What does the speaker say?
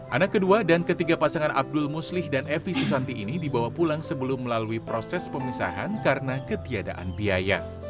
anak kedua dan ketiga pasangan abdul muslih dan evi susanti ini dibawa pulang sebelum melalui proses pemisahan karena ketiadaan biaya